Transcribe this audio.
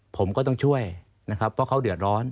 ผมก็ต้องช่วยนะครับเพราะเขาเดือดร้อน